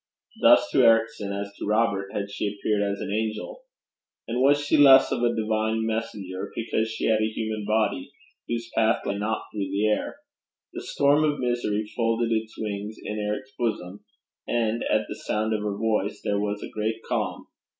Thus to Ericson as to Robert had she appeared as an angel. And was she less of a divine messenger because she had a human body, whose path lay not through the air? The storm of misery folded its wings in Eric's bosom, and, at the sound of her voice, there was a great calm.